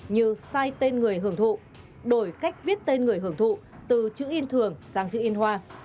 như sai tên người hưởng thụ đổi cách viết tên người hưởng thụ từ chữ in thường sang chữ in hoa